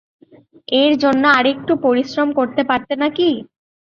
এর জন্যে আরো একটু পরিশ্রম করতে পারতে না কি?